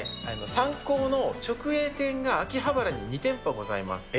サンコーの直営店が秋葉原に２店舗ございます。